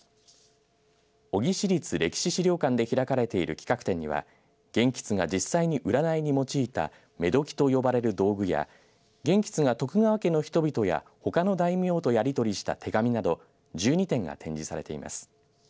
小城市立歴史資料館で開かれている企画展には元佶が実際に占いに用いためどきと呼ばれる道具や元佶が徳川家の人々やほかの大名とやり取りした手紙など１２点が展示されています。